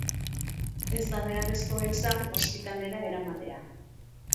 Ez da beharrezkoa izan ospitalera eramatea.